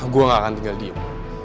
gue gak akan tinggal diem